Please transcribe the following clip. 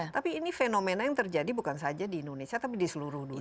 tapi ini fenomena yang terjadi bukan saja di indonesia tapi di seluruh dunia